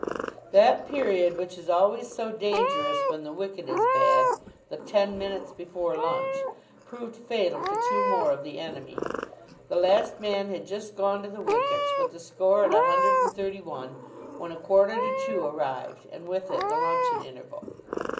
That period which is always so dangerous, when the wicket is bad, the ten minutes before lunch, proved fatal to two more of the enemy. The last man had just gone to the wickets, with the score at a hundred and thirty one, when a quarter to two arrived, and with it the luncheon interval.